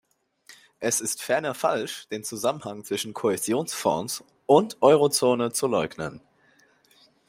Es ist ferner falsch, den Zusammenhang zwischen Kohäsionsfonds und Eurozone zu leugnen.